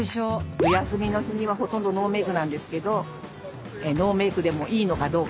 お休みの日にはほとんどノーメークなんですけどノーメークでもいいのかどうか？